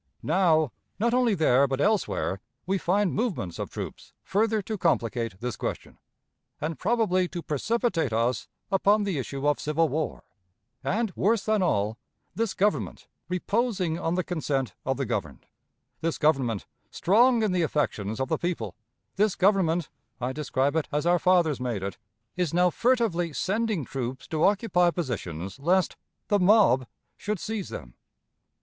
Now, not only there, but elsewhere, we find movements of troops further to complicate this question, and probably to precipitate us upon the issue of civil war; and, worse than all, this Government, reposing on the consent of the governed; this Government, strong in the affections of the people; this Government (I describe it as our fathers made it) is now furtively sending troops to occupy positions lest "the mob" should seize them.